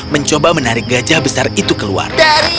mencoba menarik gajah besar itu keluar